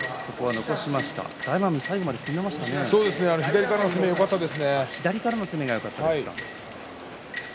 大奄美、左からの攻めがよかったですね。